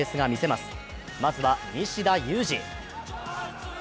まずは、西田有志。